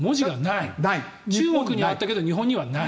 中国にはあったけど日本にはない。